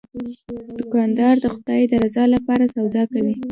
دوکاندار د خدای د رضا لپاره سودا کوي.